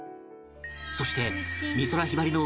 そして美空ひばりの歌は